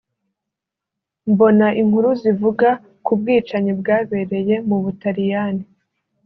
mbona inkuru zivuga ku bwicanyi bwabereye mu Butaliyani